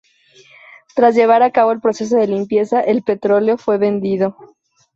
Tras llevar a cabo el proceso de limpieza, el petróleo fue vendido.